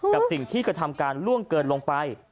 กับสิ่งที่กระทำการล่วงเกินลงไป